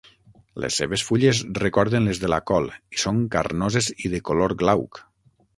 Les seves fulles recorden les de la col i són carnoses i de color glauc.